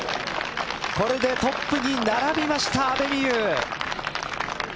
これでトップに並びました阿部未悠。